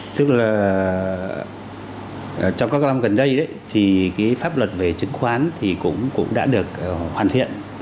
tức là trong các năm gần đây thì cái pháp luật về chứng khoán thì cũng đã được hoàn thiện